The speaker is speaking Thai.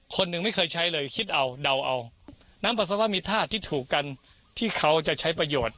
คนหนึ่งไม่เคยใช้เลยคิดเอาเดาเอาน้ำปัสสาวะมีธาตุที่ถูกกันที่เขาจะใช้ประโยชน์